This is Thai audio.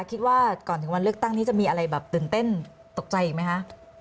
คิดว่าก่อนถึงวันเลือกตั้งนี้จะมีอะไรแบบตื่นเต้นตกใจอีกไหมคะ